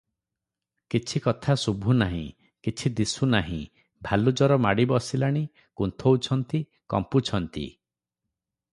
କିଛି କଥା ଶୁଭୁ ନାହିଁ; କିଛି ଦିଶୁ ନାହିଁ, ଭାଲୁଜର ମାଡ଼ି ବସିଲାଣି, କୁନ୍ଥୋଉଛନ୍ତି, କମ୍ପୁଛନ୍ତି ।